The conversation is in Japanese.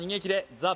ＴＨＥ